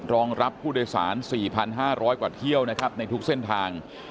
รองรับผู้โดยสาร๔๕๐๐กว่าเที่ยวนะครับในทุกเส้นทาง